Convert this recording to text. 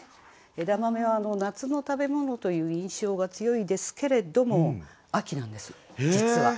枝豆は夏の食べ物という印象が強いですけれども秋なんです実は。